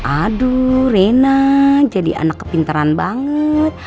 aduh reina jadi anak kepinteran banget